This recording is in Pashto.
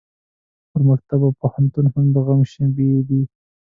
پر مکتب او پوهنتون مو د غم شپې دي